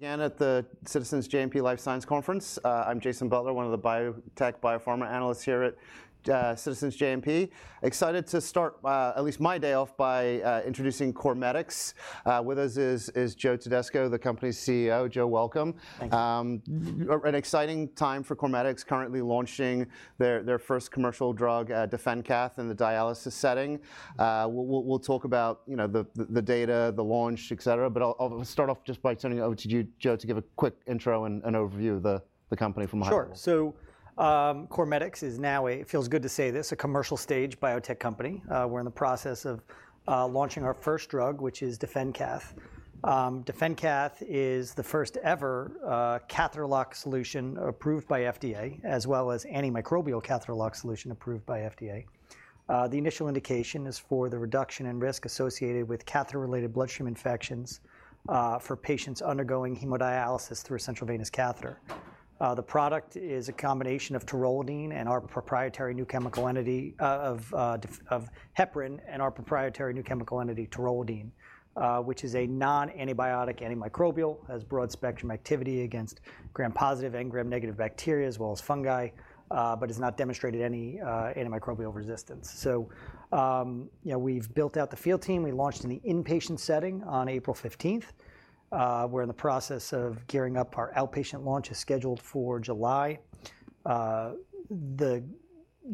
Again at the Citizens JMP Life Science Conference. I'm Jason Butler, one of the biotech/biopharma analysts here at Citizens JMP. Excited to start, at least my day off, by introducing CorMedix. With us is Joe Todisco, the company's CEO. Joe, welcome. Thanks. An exciting time for CorMedix, currently launching their first commercial drug, DefenCath, in the dialysis setting. We'll talk about the data, the launch, et cetera. But I'll start off just by turning it over to Joe to give a quick intro and overview of the company from a high point. Sure. So CorMedix is now, it feels good to say this, a commercial stage biotech company. We're in the process of launching our first drug, which is DefenCath. DefenCath is the first-ever catheter-lock solution approved by FDA, as well as antimicrobial catheter-lock solution approved by FDA. The initial indication is for the reduction in risk associated with catheter-related bloodstream infections for patients undergoing hemodialysis through a central venous catheter. The product is a combination of taurolidine and our proprietary new chemical entity of heparin and our proprietary new chemical entity taurolidine, which is a non-antibiotic, antimicrobial, has broad spectrum activity against Gram-positive and Gram-negative bacteria, as well as fungi, but has not demonstrated any antimicrobial resistance. So we've built out the field team. We launched in the inpatient setting on April 15th. We're in the process of gearing up. Our outpatient launch is scheduled for July.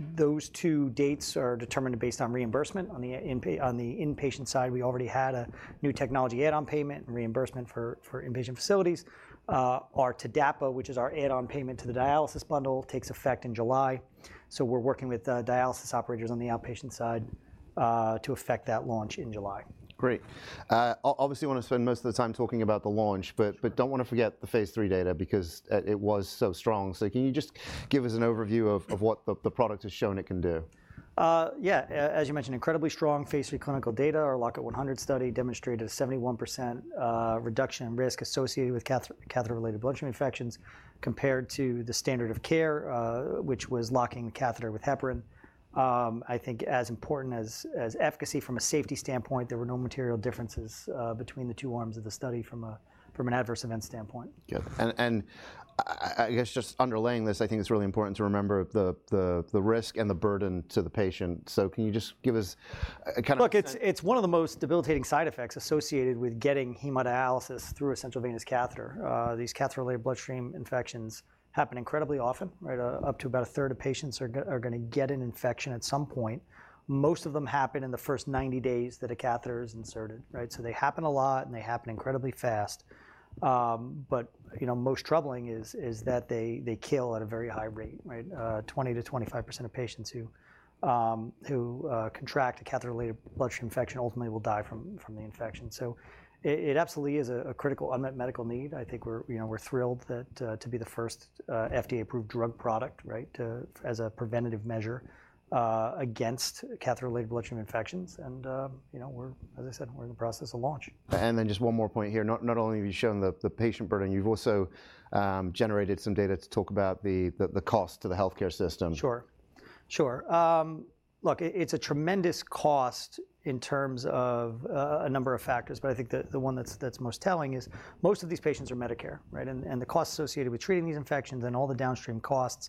Those two dates are determined based on reimbursement. On the inpatient side, we already had a New Technology Add-on Payment and reimbursement for inpatient facilities. Our TDAPA, which is our add-on payment to the dialysis bundle, takes effect in July. So we're working with dialysis operators on the outpatient side to affect that launch in July. Great. Obviously, you want to spend most of the time talking about the launch. But don't want to forget the phase III data, because it was so strong. So can you just give us an overview of what the product has shown it can do? Yeah. As you mentioned, incredibly strong phase III clinical data. Our LOCK-IT-100 study demonstrated a 71% reduction in risk associated with catheter-related bloodstream infections compared to the standard of care, which was locking the catheter with heparin. I think as important as efficacy from a safety standpoint, there were no material differences between the two arms of the study from an adverse event standpoint. Good. And I guess just underlying this, I think it's really important to remember the risk and the burden to the patient. So can you just give us kind of. Look, it's one of the most debilitating side effects associated with getting hemodialysis through a central venous catheter. These catheter-related bloodstream infections happen incredibly often, right? Up to about a third of patients are going to get an infection at some point. Most of them happen in the first 90 days that a catheter is inserted, right? So they happen a lot, and they happen incredibly fast. But most troubling is that they kill at a very high rate, right? 20%-25% of patients who contract a catheter-related bloodstream infection ultimately will die from the infection. So it absolutely is a critical unmet medical need. I think we're thrilled to be the first FDA-approved drug product, right, as a preventative measure against catheter-related bloodstream infections. And as I said, we're in the process of launch. Then just one more point here. Not only have you shown the patient burden, you've also generated some data to talk about the cost to the health care system. Sure. Sure. Look, it's a tremendous cost in terms of a number of factors. But I think the one that's most telling is most of these patients are Medicare, right? And the cost associated with treating these infections and all the downstream costs,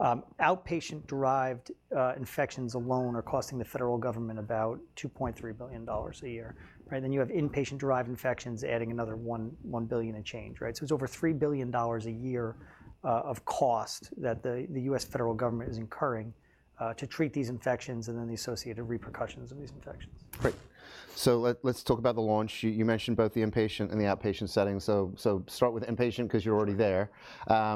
outpatient-derived infections alone are costing the federal government about $2.3 billion a year, right? Then you have inpatient-derived infections adding another $1 billion and change, right? So it's over $3 billion a year of cost that the U.S. federal government is incurring to treat these infections and then the associated repercussions of these infections. Great. So let's talk about the launch. You mentioned both the inpatient and the outpatient setting. So start with inpatient, because you're already there.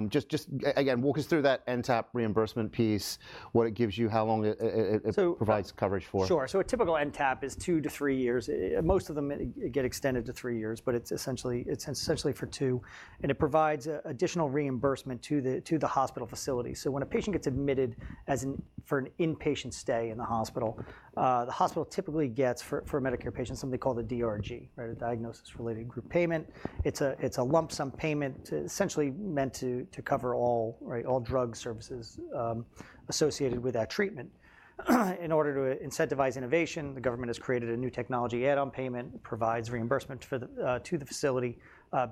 Just again, walk us through that NTAP reimbursement piece, what it gives you, how long it provides coverage for? Sure. So a typical NTAP is 2-3 years. Most of them get extended to 3 years. But it's essentially for 2. And it provides additional reimbursement to the hospital facility. So when a patient gets admitted for an inpatient stay in the hospital, the hospital typically gets for a Medicare patient something they call the DRG, right, a Diagnosis-Related Group payment. It's a lump sum payment, essentially meant to cover all drug services associated with that treatment. In order to incentivize innovation, the government has created a New Technology Add-on Payment. It provides reimbursement to the facility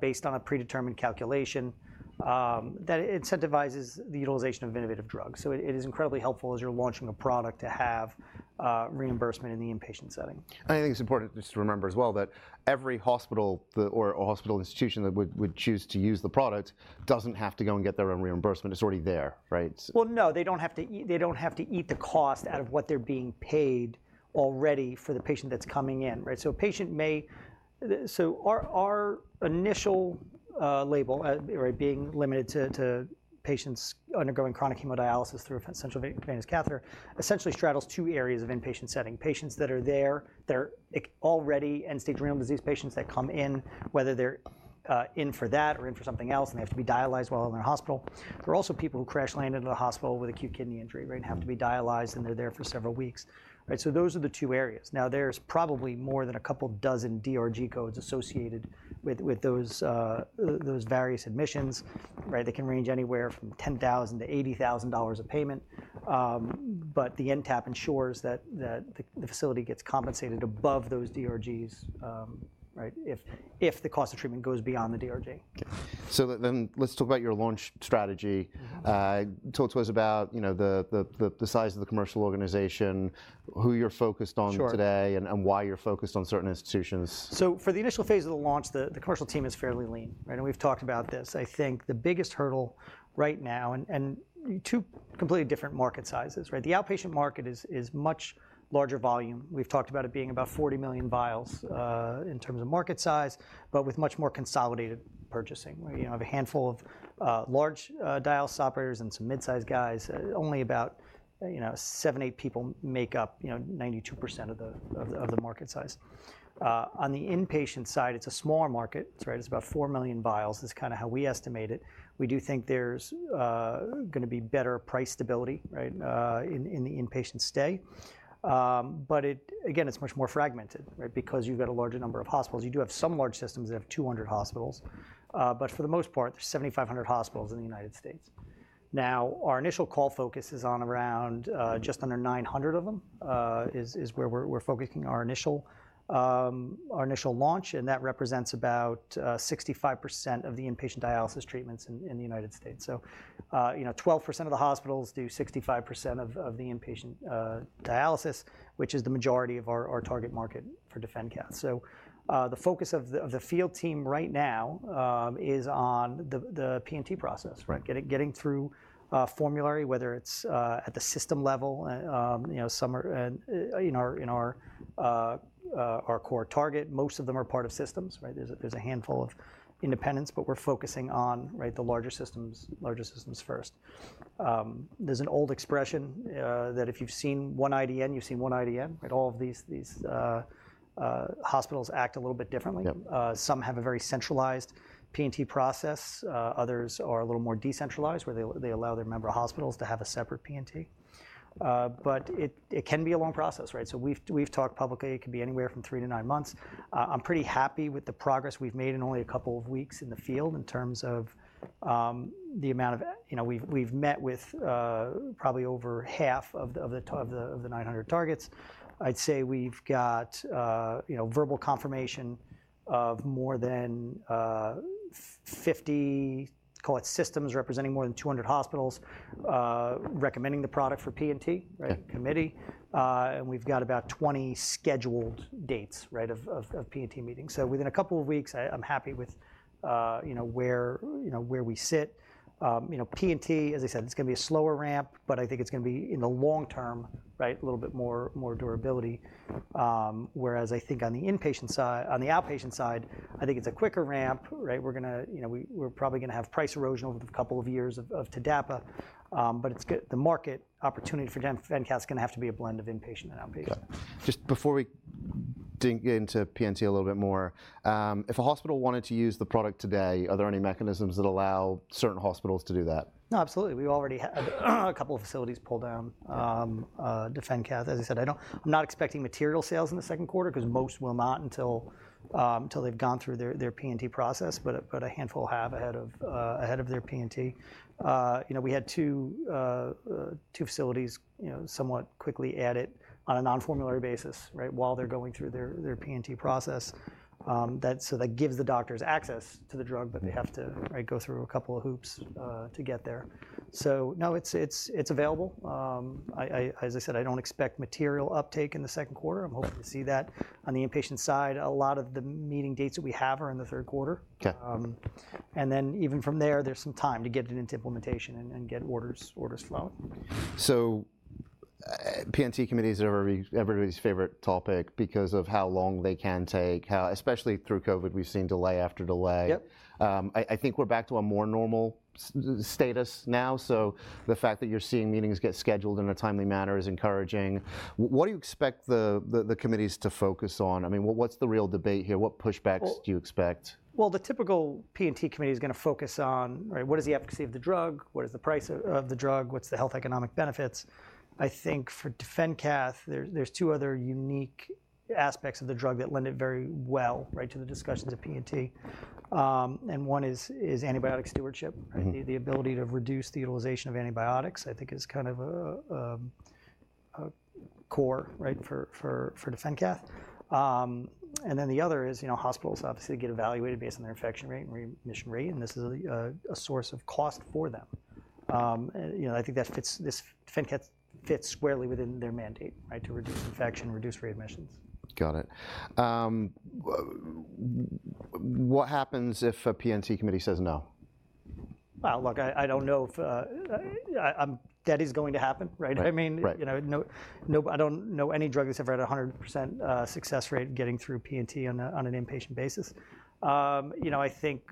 based on a predetermined calculation that incentivizes the utilization of innovative drugs. So it is incredibly helpful as you're launching a product to have reimbursement in the inpatient setting. I think it's important just to remember as well that every hospital or hospital institution that would choose to use the product doesn't have to go and get their own reimbursement. It's already there, right? Well, no. They don't have to eat the cost out of what they're being paid already for the patient that's coming in, right? So our initial label, being limited to patients undergoing chronic hemodialysis through a central venous catheter, essentially straddles two areas of inpatient setting: patients that are there, that are already end-stage renal disease patients that come in, whether they're in for that or in for something else, and they have to be dialyzed while in the hospital. There are also people who crash-landed in the hospital with acute kidney injury, right, and have to be dialyzed, and they're there for several weeks, right? So those are the two areas. Now, there's probably more than a couple dozen DRG codes associated with those various admissions, right? They can range anywhere from $10,000-$80,000 of payment. But the NTAP ensures that the facility gets compensated above those DRGs, right, if the cost of treatment goes beyond the DRG? So then let's talk about your launch strategy. Talk to us about the size of the commercial organization, who you're focused on today, and why you're focused on certain institutions. So for the initial phase of the launch, the commercial team is fairly lean, right? And we've talked about this. I think the biggest hurdle right now and two completely different market sizes, right? The outpatient market is much larger volume. We've talked about it being about 40 million vials in terms of market size, but with much more consolidated purchasing. We have a handful of large dialysis operators and some midsize guys. Only about 7-8 people make up 92% of the market size. On the inpatient side, it's a smaller market, right? It's about 4 million vials. That's kind of how we estimate it. We do think there's going to be better price stability, right, in the inpatient stay. But again, it's much more fragmented, right, because you've got a larger number of hospitals. You do have some large systems that have 200 hospitals. But for the most part, there's 7,500 hospitals in the United States. Now, our initial call focus is on around just under 900 of them is where we're focusing our initial launch. And that represents about 65% of the inpatient dialysis treatments in the United States. So 12% of the hospitals do 65% of the inpatient dialysis, which is the majority of our target market for DefenCath. So the focus of the field team right now is on the P&T process, right, getting through formulary, whether it's at the system level. In our core target, most of them are part of systems, right? There's a handful of independents. But we're focusing on the larger systems first. There's an old expression that if you've seen one IDN, you've seen one IDN, right? All of these hospitals act a little bit differently. Some have a very centralized P&T process. Others are a little more decentralized, where they allow their member hospitals to have a separate P&T. But it can be a long process, right? So we've talked publicly. It can be anywhere from 3-9 months. I'm pretty happy with the progress we've made in only a couple of weeks in the field in terms of the amount we've met with probably over half of the 900 targets. I'd say we've got verbal confirmation of more than 50, call it systems representing more than 200 hospitals recommending the product for P&T, right, committee. And we've got about 20 scheduled dates, right, of P&T meetings. So within a couple of weeks, I'm happy with where we sit. P&T, as I said, it's going to be a slower ramp. But I think it's going to be, in the long term, right, a little bit more durability. Whereas I think on the inpatient side, on the outpatient side, I think it's a quicker ramp, right? We're probably going to have price erosion over a couple of years of TDAPA. But the market opportunity for DefenCath is going to have to be a blend of inpatient and outpatient. Just before we dig into P&T a little bit more, if a hospital wanted to use the product today, are there any mechanisms that allow certain hospitals to do that? No, absolutely. We've already had a couple of facilities pull down DefenCath. As I said, I'm not expecting material sales in the second quarter, because most will not until they've gone through their P&T process. But a handful have ahead of their P&T. We had two facilities somewhat quickly add it on a non-formulary basis, right, while they're going through their P&T process. So that gives the doctors access to the drug. But they have to go through a couple of hoops to get there. So no, it's available. As I said, I don't expect material uptake in the second quarter. I'm hoping to see that. On the inpatient side, a lot of the meeting dates that we have are in the third quarter. And then even from there, there's some time to get it into implementation and get orders flowing. So P&T committees are everybody's favorite topic because of how long they can take, especially through COVID. We've seen delay after delay. I think we're back to a more normal status now. So the fact that you're seeing meetings get scheduled in a timely manner is encouraging. What do you expect the committees to focus on? I mean, what's the real debate here? What pushbacks do you expect? Well, the typical P&T committee is going to focus on, right, what is the efficacy of the drug? What is the price of the drug? What's the health economic benefits? I think for DefenCath, there's two other unique aspects of the drug that lend it very well, right, to the discussions of P&T. And one is antibiotic stewardship, right? The ability to reduce the utilization of antibiotics, I think, is kind of a core, right, for DefenCath. And then the other is hospitals, obviously, get evaluated based on their infection rate and remission rate. And this is a source of cost for them. I think DefenCath fits squarely within their mandate, right, to reduce infection, reduce readmissions. Got it. What happens if a P&T committee says no? Well, look, I don't know if that is going to happen, right? I mean, I don't know any drug that's ever had a 100% success rate getting through P&T on an inpatient basis. I think,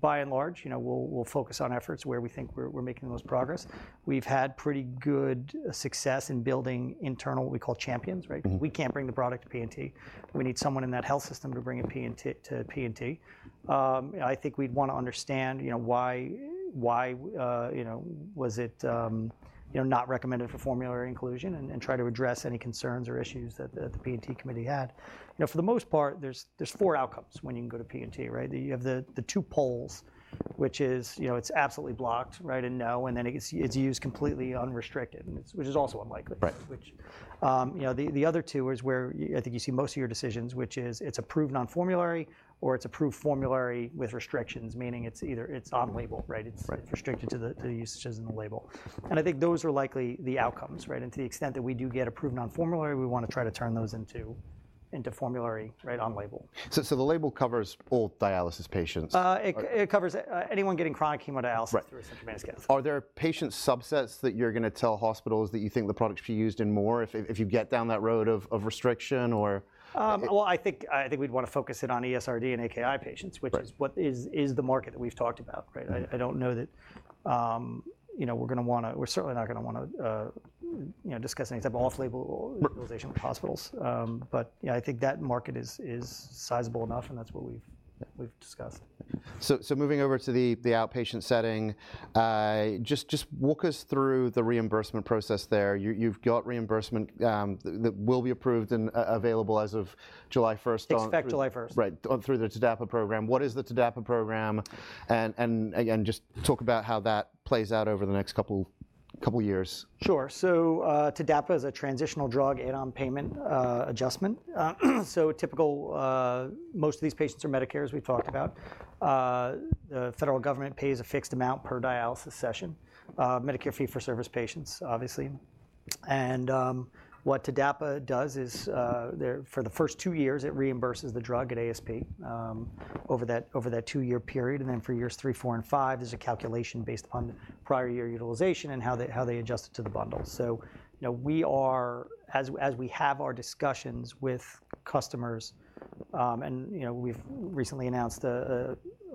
by and large, we'll focus on efforts where we think we're making the most progress. We've had pretty good success in building internal what we call champions, right? We can't bring the product to P&T. We need someone in that health system to bring it to P&T. I think we'd want to understand why was it not recommended for formulary inclusion and try to address any concerns or issues that the P&T committee had. For the most part, there's four outcomes when you can go to P&T, right? You have the two poles, which is it's absolutely blocked, right, and no. And then it's used completely unrestricted, which is also unlikely, right? The other two is where I think you see most of your decisions, which is it's approved non-formulary or it's approved formulary with restrictions, meaning it's either on label, right? It's restricted to the usages in the label. And I think those are likely the outcomes, right? And to the extent that we do get approved non-formulary, we want to try to turn those into formulary, right, on label. The label covers all dialysis patients? It covers anyone getting chronic hemodialysis through a central venous catheter. Are there patient subsets that you're going to tell hospitals that you think the product should be used in more if you get down that road of restriction or? Well, I think we'd want to focus it on ESRD and AKI patients, which is the market that we've talked about, right? I don't know that we're going to want to. We're certainly not going to want to discuss anything except off-label utilization with hospitals. But I think that market is sizable enough. That's what we've discussed. Moving over to the outpatient setting, just walk us through the reimbursement process there. You've got reimbursement that will be approved and available as of July 1. Expect July 1. Right, through the TDAPA program. What is the TDAPA program? And again, just talk about how that plays out over the next couple of years. Sure. So TDAPA is a Transitional Drug Add-on Payment Adjustment. So typically, most of these patients are Medicare, we've talked about. The federal government pays a fixed amount per dialysis session, Medicare Fee-for-Service patients, obviously. And what TDAPA does is, for the first 2 years, it reimburses the drug at ASP over that 2-year period. And then for years 3, 4, and 5, there's a calculation based upon prior year utilization and how they adjust it to the bundle. So as we have our discussions with customers, and we've recently announced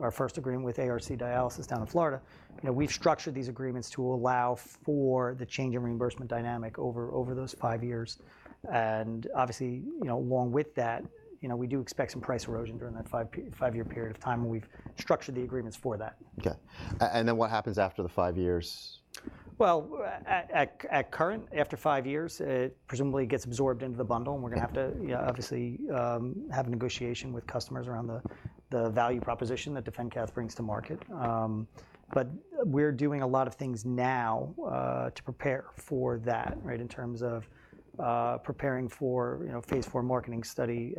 our first agreement with ARC Dialysis down in Florida, we've structured these agreements to allow for the change in reimbursement dynamic over those 5 years. And obviously, along with that, we do expect some price erosion during that 5-year period of time when we've structured the agreements for that. OK. And then what happens after the five years? Well, at current, after five years, it presumably gets absorbed into the bundle. And we're going to have to, obviously, have a negotiation with customers around the value proposition that DefenCath brings to market. But we're doing a lot of things now to prepare for that, right, in terms of preparing for phase IV marketing study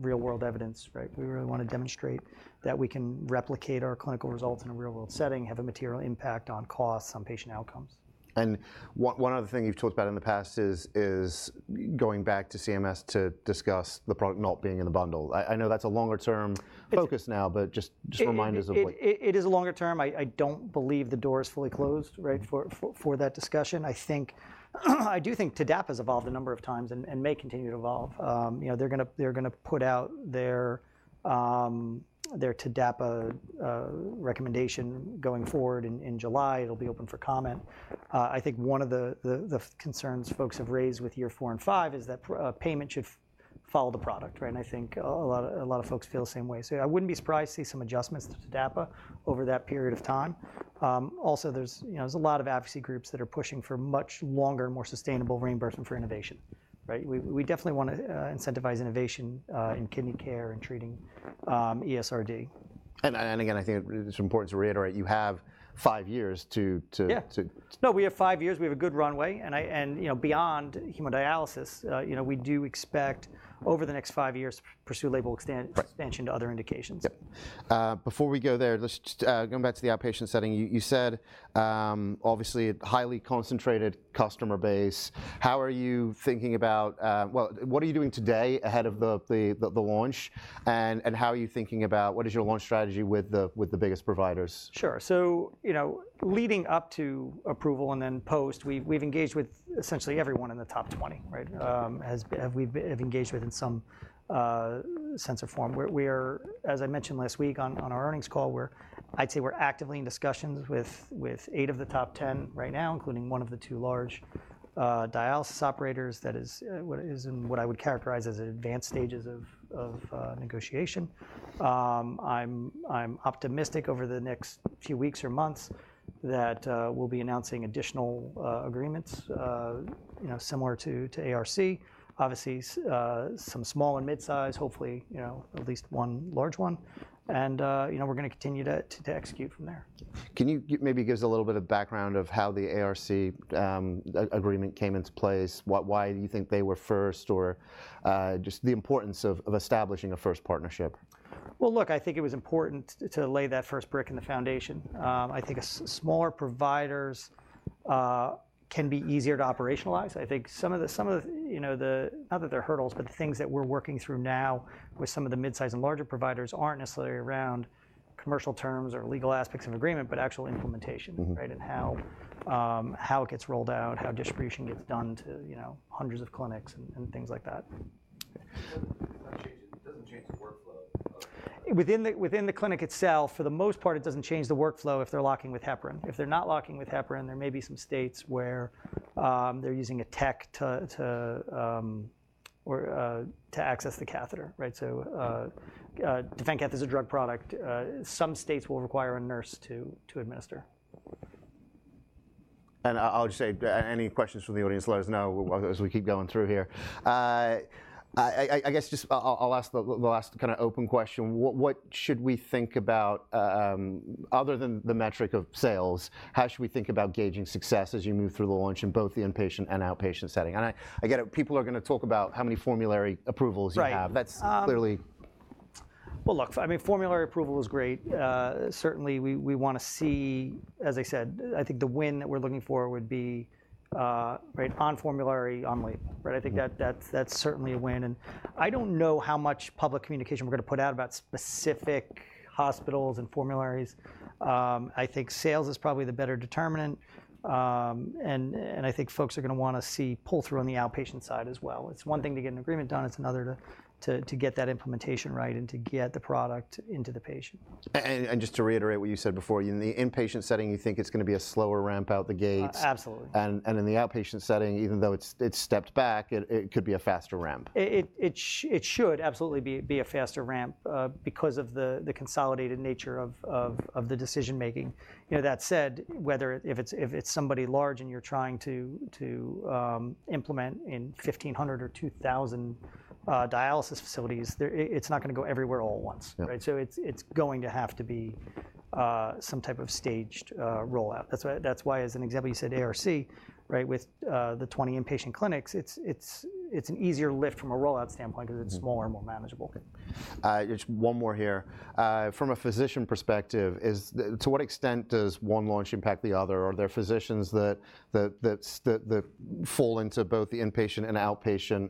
real-world evidence, right? We really want to demonstrate that we can replicate our clinical results in a real-world setting, have a material impact on costs, on patient outcomes. One other thing you've talked about in the past is going back to CMS to discuss the product not being in the bundle. I know that's a longer-term focus now. Just remind us of what. It is a longer term. I don't believe the door is fully closed, right, for that discussion. I do think TDAPA has evolved a number of times and may continue to evolve. They're going to put out their TDAPA recommendation going forward in July. It'll be open for comment. I think one of the concerns folks have raised with year four and five is that payment should follow the product, right? And I think a lot of folks feel the same way. So I wouldn't be surprised to see some adjustments to TDAPA over that period of time. Also, there's a lot of advocacy groups that are pushing for much longer, more sustainable reimbursement for innovation, right? We definitely want to incentivize innovation in kidney care and treating ESRD. And again, I think it's important to reiterate, you have five years to. No, we have five years. We have a good runway. Beyond hemodialysis, we do expect, over the next five years, to pursue label expansion to other indications. Before we go there, let's just go back to the outpatient setting. You said, obviously, a highly concentrated customer base. How are you thinking about well, what are you doing today ahead of the launch? And how are you thinking about what is your launch strategy with the biggest providers? Sure. So leading up to approval and then post, we've engaged with essentially everyone in the top 20, right, have engaged with in some sense or form. As I mentioned last week on our earnings call, I'd say we're actively in discussions with eight of the top 10 right now, including one of the two large dialysis operators that is in what I would characterize as advanced stages of negotiation. I'm optimistic over the next few weeks or months that we'll be announcing additional agreements similar to ARC, obviously, some small and midsize, hopefully at least one large one. And we're going to continue to execute from there. Can you maybe give us a little bit of background of how the ARC agreement came into place? Why do you think they were first or just the importance of establishing a first partnership? Well, look, I think it was important to lay that first brick in the foundation. I think smaller providers can be easier to operationalize. I think some of the, not that they're hurdles, but the things that we're working through now with some of the midsize and larger providers aren't necessarily around commercial terms or legal aspects of agreement, but actual implementation, right, and how it gets rolled out, how distribution gets done to hundreds of clinics and things like that. Does that change the workflow? Within the clinic itself, for the most part, it doesn't change the workflow if they're locking with heparin. If they're not locking with heparin, there may be some states where they're using a tech to access the catheter, right? So DefenCath is a drug product. Some states will require a nurse to administer. I'll just say, any questions from the audience, let us know as we keep going through here. I guess just I'll ask the last kind of open question. What should we think about, other than the metric of sales, how should we think about gauging success as you move through the launch in both the inpatient and outpatient setting? And I get it. People are going to talk about how many formulary approvals you have. That's clearly. Well, look, I mean, formulary approval is great. Certainly, we want to see, as I said, I think the win that we're looking for would be on formulary, on label, right? I think that's certainly a win. And I don't know how much public communication we're going to put out about specific hospitals and formularies. I think sales is probably the better determinant. And I think folks are going to want to see pull-through on the outpatient side as well. It's one thing to get an agreement done. It's another to get that implementation right and to get the product into the patient. Just to reiterate what you said before, in the inpatient setting, you think it's going to be a slower ramp out the gates. Absolutely. In the outpatient setting, even though it's stepped back, it could be a faster ramp? It should absolutely be a faster ramp because of the consolidated nature of the decision making. That said, if it's somebody large and you're trying to implement in 1,500 or 2,000 dialysis facilities, it's not going to go everywhere all at once, right? So it's going to have to be some type of staged rollout. That's why, as an example, you said ARC, right, with the 20 inpatient clinics, it's an easier lift from a rollout standpoint because it's smaller and more manageable. Just one more here. From a physician perspective, to what extent does one launch impact the other? Are there physicians that fall into both the inpatient and outpatient,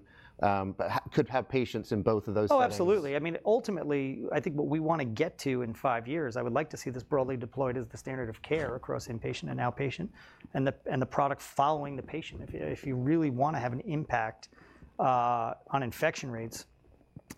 could have patients in both of those settings? Oh, absolutely. I mean, ultimately, I think what we want to get to in five years, I would like to see this broadly deployed as the standard of care across inpatient and outpatient and the product following the patient. If you really want to have an impact on infection rates,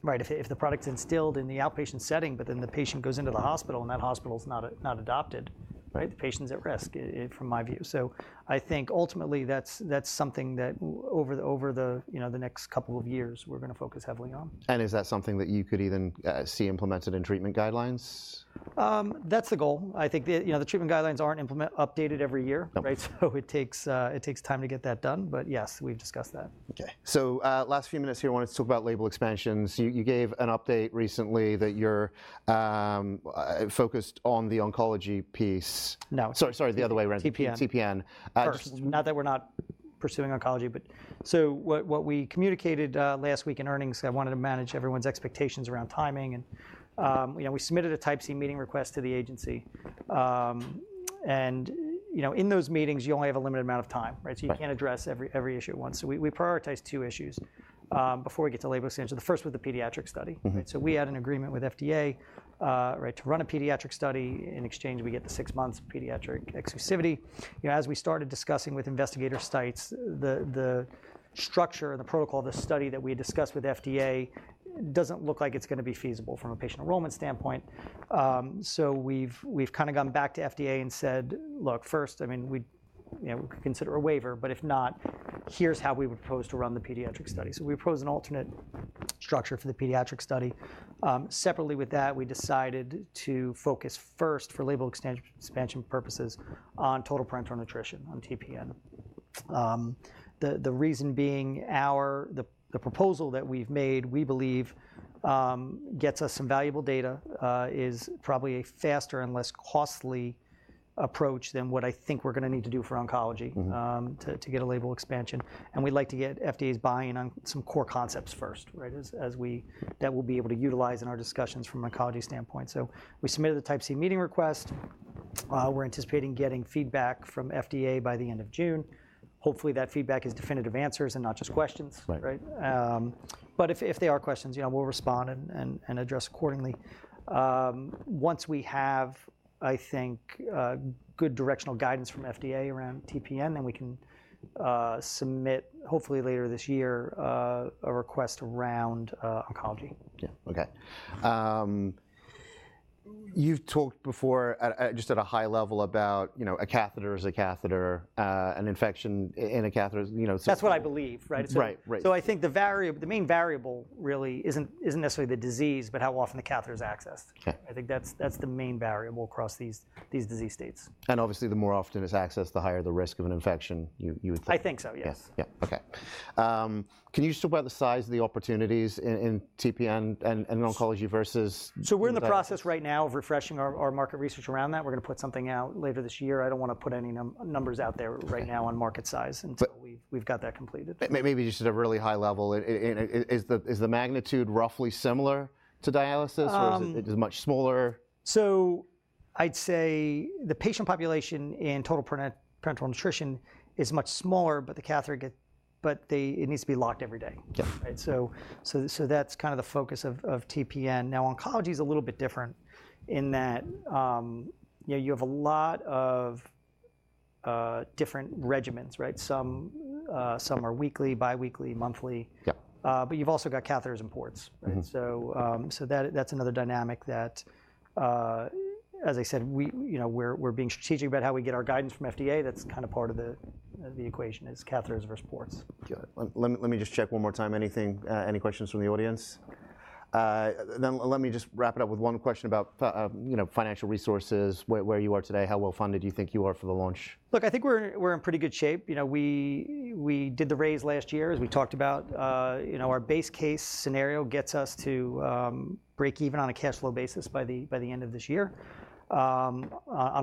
right, if the product's instilled in the outpatient setting, but then the patient goes into the hospital and that hospital's not adopted, right, the patient's at risk, from my view. So I think, ultimately, that's something that, over the next couple of years, we're going to focus heavily on. Is that something that you could even see implemented in treatment guidelines? That's the goal. I think the treatment guidelines aren't updated every year, right? So it takes time to get that done. But yes, we've discussed that. OK. So last few minutes here, I wanted to talk about label expansions. You gave an update recently that you're focused on the oncology piece. No. Sorry, the other way around. TPN. TPN. First, note that we're not pursuing oncology. So what we communicated last week in earnings, I wanted to manage everyone's expectations around timing. We submitted a Type C meeting request to the agency. In those meetings, you only have a limited amount of time, right? You can't address every issue at once. We prioritized two issues before we get to label expansion. The first was the pediatric study, right? We had an agreement with FDA, right, to run a pediatric study. In exchange, we get the six months of pediatric exclusivity. As we started discussing with investigator sites, the structure and the protocol of the study that we had discussed with FDA doesn't look like it's going to be feasible from a patient enrollment standpoint. We've kind of gone back to FDA and said, look, first, I mean, we could consider a waiver. But if not, here's how we would propose to run the pediatric study. So we proposed an alternate structure for the pediatric study. Separately with that, we decided to focus first, for label expansion purposes, on total parenteral nutrition, on TPN. The reason being, the proposal that we've made, we believe, gets us some valuable data, is probably a faster and less costly approach than what I think we're going to need to do for oncology to get a label expansion. And we'd like to get FDA's buy-in on some core concepts first, right, that we'll be able to utilize in our discussions from an oncology standpoint. So we submitted the Type C meeting request. We're anticipating getting feedback from FDA by the end of June. Hopefully, that feedback is definitive answers and not just questions, right? But if there are questions, we'll respond and address accordingly. Once we have, I think, good directional guidance from FDA around TPN, then we can submit, hopefully, later this year, a request around oncology. Yeah, OK. You've talked before, just at a high level, about a catheter is a catheter, an infection in a catheter. That's what I believe, right? So I think the main variable, really, isn't necessarily the disease, but how often the catheter is accessed. I think that's the main variable across these disease states. Obviously, the more often it's accessed, the higher the risk of an infection, you would think. I think so, yes. Yes, yeah, OK. Can you just talk about the size of the opportunities in TPN and oncology versus? So we're in the process right now of refreshing our market research around that. We're going to put something out later this year. I don't want to put any numbers out there right now on market size. And so we've got that completed. Maybe just at a really high level, is the magnitude roughly similar to dialysis? Or is it much smaller? So I'd say the patient population in total parenteral nutrition is much smaller. But it needs to be locked every day, right? So that's kind of the focus of TPN. Now, oncology is a little bit different in that you have a lot of different regimens, right? Some are weekly, biweekly, monthly. But you've also got catheters and ports, right? So that's another dynamic that, as I said, we're being strategic about how we get our guidance from FDA. That's kind of part of the equation, is catheters versus ports. Good. Let me just check one more time. Any questions from the audience? Let me just wrap it up with one question about financial resources, where you are today, how well funded you think you are for the launch. Look, I think we're in pretty good shape. We did the raise last year, as we talked about. Our base case scenario gets us to break even on a cash flow basis by the end of this year, on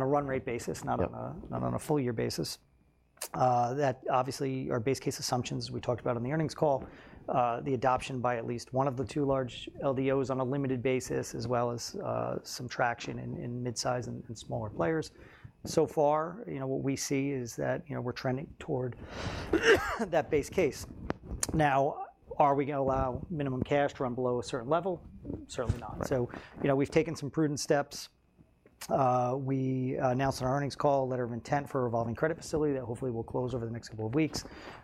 a run rate basis, not on a full year basis. Obviously, our base case assumptions, we talked about in the earnings call, the adoption by at least one of the two large LDOs on a limited basis, as well as some traction in midsize and smaller players. So far, what we see is that we're trending toward that base case. Now, are we going to allow minimum cash to run below a certain level? Certainly not. So we've taken some prudent steps. We announced on our earnings call a letter of intent for a revolving credit facility that, hopefully, will close over the next couple of weeks.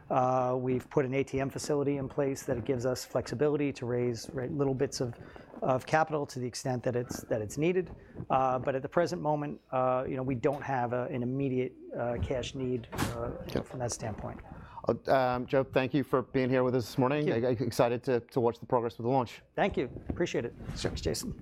We've put an ATM facility in place that gives us flexibility to raise little bits of capital to the extent that it's needed. But at the present moment, we don't have an immediate cash need from that standpoint. Joe, thank you for being here with us this morning. Excited to watch the progress with the launch. Thank you. Appreciate it. Cheers. Thanks, Jason.